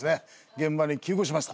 現場に急行しました。